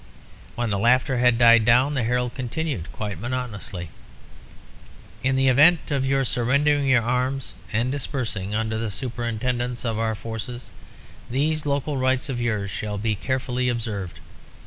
When the laughter had died down, the herald continued quite monotonously "In the event of your surrendering your arms and dispersing under the superintendence of our forces, these local rights of yours shall be carefully observed.